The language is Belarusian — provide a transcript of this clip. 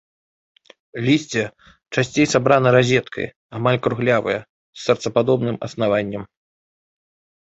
Лісце часцей сабрана разеткай, амаль круглявае, з сэрцападобным аснаваннем.